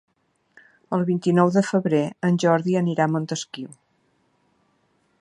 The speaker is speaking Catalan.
El vint-i-nou de febrer en Jordi anirà a Montesquiu.